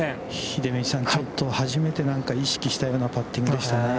秀道さん、カット初めてなんか意識したようなパッティングでしたね。